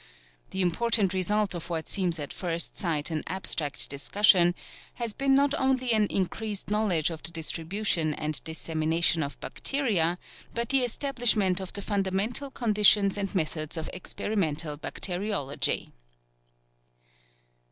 The important result of what seems at first sight an abstract discussion has been not only an increased knowledge of the distribution and dissemination of bacteria, but the establishment of the fundamental conditions and methods of experimental bacteriology....